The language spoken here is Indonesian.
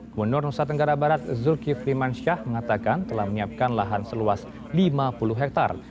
komunur nusa tenggara barat zulkif limansyah mengatakan telah menyiapkan lahan seluas lima puluh hektare